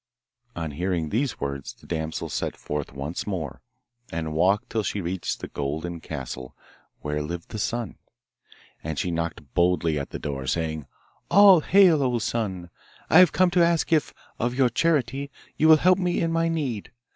On hearing these words the damsel set forth once more, and walked till she reached the Golden Castle, where lived the Sun. And she knocked boldly at the door, saying, 'All hail, O Sun! I have come to ask if, of your charity, you will help me in my need.